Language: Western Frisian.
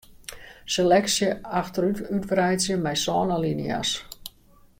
Seleksje achterút útwreidzje mei sân alinea's.